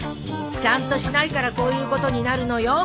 ちゃんとしないからこういうことになるのよ。